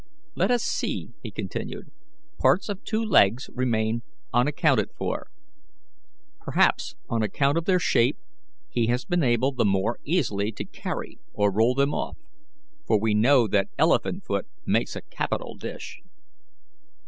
Let us see," he continued, "parts of two legs remain unaccounted for. Perhaps, on account of their shape, he has been able the more easily to carry or roll them off, for we know that elephant foot makes a capital dish."